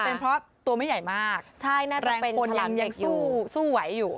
แต่นี่อาจจะเป็นเพราะตัวไม่ใหญ่มากแรงคนยังสู้ไหวอยู่